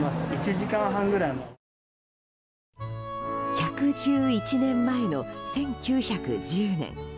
１１１年前の１９１０年。